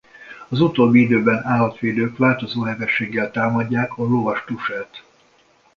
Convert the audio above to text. Az utóbbi időben állatvédők változó hevességgel támadják a lovastusát.